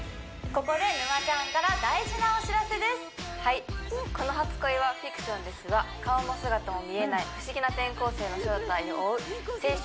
ここではい「この初恋はフィクションです」は顔も姿も見えない不思議な転校生の正体を追う青春